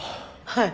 はい。